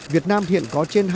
việt nam hiện có trên ba tỷ usd